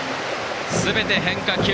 すべて変化球。